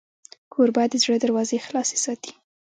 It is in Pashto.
کوربه د زړه دروازې خلاصې ساتي.